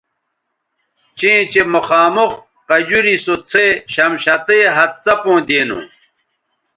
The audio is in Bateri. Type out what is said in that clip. چیں چہء مخامخ قجوری سو څھے شمشتئ ھَت څپوں دینو